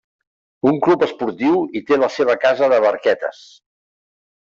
Un club esportiu hi té la seva casa de barquetes.